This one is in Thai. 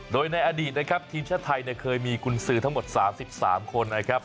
โดยในอดีตนะครับทีมชาติไทยเคยมีกุญสือทั้งหมด๓๓คนนะครับ